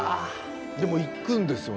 でも行くんですよね